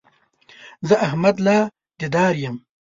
زه احمد الله ديدار يم